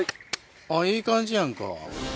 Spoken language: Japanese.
あっいい感じやんか。